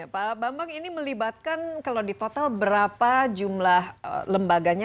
pak bambang ini melibatkan kalau di total berapa jumlah lembaganya